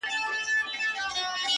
خوار ژاړي هغه خاوري زړه ژوندی غواړي;